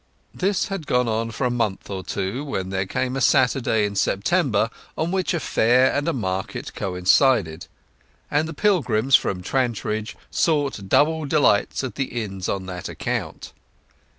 This had gone on for a month or two when there came a Saturday in September, on which a fair and a market coincided; and the pilgrims from Trantridge sought double delights at the inns on that account.